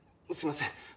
すいません。